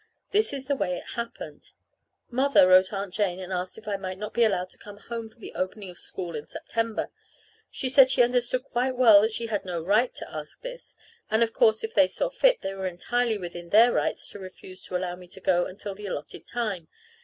_ This is the way it happened. Mother wrote Aunt Jane and asked if I might not be allowed to come home for the opening of school in September. She said she understood quite well that she had no right to ask this, and, of course, if they saw fit, they were entirely within their rights to refuse to allow me to go until the allotted time.